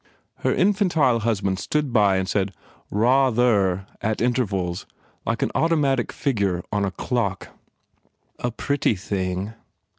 Her infantile husband stood by and said Rawther at intervals like an automatic figure on a clock. A pretty thing.